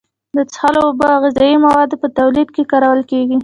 د څښلو اوبو او غذایي موادو په تولید کې کارول کیږي.